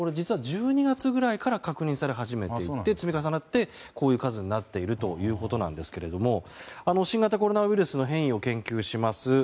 １２月ぐらいから確認され始めていて積み重なってこういう数になっているんですが新型コロナウイルスの変異を研究します